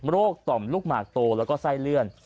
โรครกต่ำลูกหมาตัวแล้วเศร้าเลือด